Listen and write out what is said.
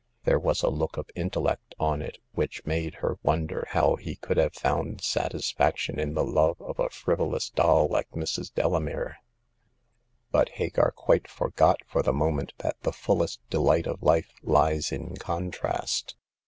There was a look of intellect on it which made her wonder how he could have found satisfaction in the love of a frivolous doll like Mrs. Delamere. But Hagar quite forgot for the moment that the fullest delight of life lies in contrast.